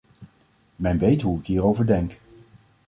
Men weet hoe ik hier over denk.